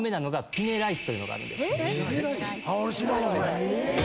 ピネライス？